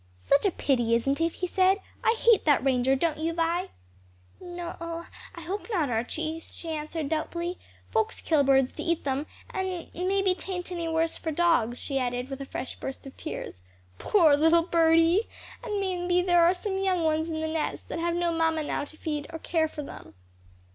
"Such a pity; isn't it?" he said, "I hate that Ranger, don't you, Vi?" "No o I hope not, Archie," she answered doubtfully: "folks kill birds to eat them and may be 'tain't any worse for dogs," she added, with a fresh burst of tears. "Poor little birdie; and may be there are some young ones in the nest that have no mamma now to feed or care for them."